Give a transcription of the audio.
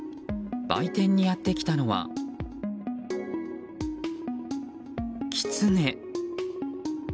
売店にやってきたのはキツネ。